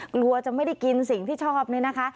กลัวจะไม่ได้กินสิ่งที่ชอบนี่นะคะ